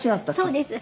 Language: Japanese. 「そうです」